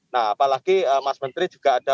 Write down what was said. nah apalagi mas menteri juga ada